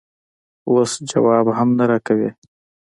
اوس ځواب هم نه راکوې؟